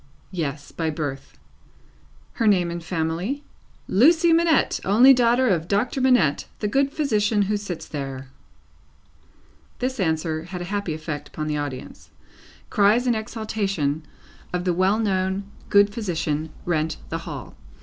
Yes. By birth. Her name and family? "Lucie Manette, only daughter of Doctor Manette, the good physician who sits there." This answer had a happy effect upon the audience. Cries in exaltation of the well known good physician rent the hall.